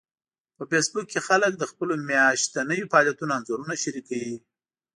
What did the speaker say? په فېسبوک کې خلک د خپلو میاشتنيو فعالیتونو انځورونه شریکوي